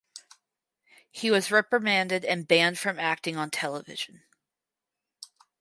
He was reprimanded and banned from acting on television.